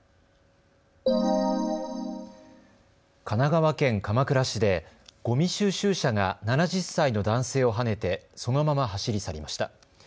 神奈川県鎌倉市でごみ収集車が７０歳の男性をはねてそのまま走り去りました。